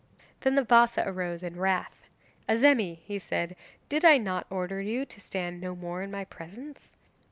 Then the Bassa arose in wrath. 'Azemi,' he said, 'did I not order you to stand no more in my presence?